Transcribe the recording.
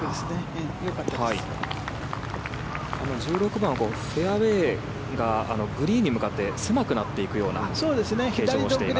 １６番、フェアウェーがグリーンに向かって狭くなっていくような形状をしています。